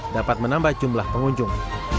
dapat menambah jumlah pengunjung